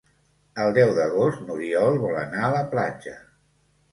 El deu d'agost n'Oriol vol anar a la platja.